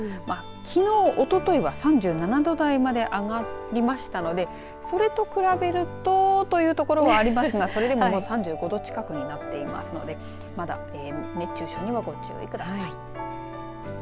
きのうおとといは３７度台まで上がりましたのでそれと比べるとというところはありますがそれでも３５度近くになっていますので熱中症にはご注意ください。